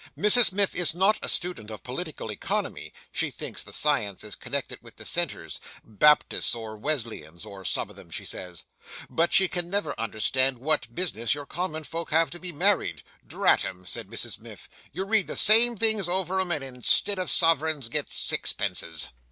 Mrs Miff is not a student of political economy (she thinks the science is connected with dissenters; "Baptists or Wesleyans, or some o' them," she says), but she can never understand what business your common folks have to be married. "Drat 'em," says Mrs Miff "you read the same things over 'em and instead of sovereigns get sixpences!"